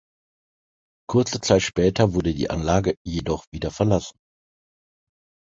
Kurze Zeit später wurde die Anlage jedoch wieder verlassen.